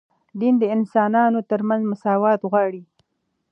دین د انسانانو ترمنځ مساوات غواړي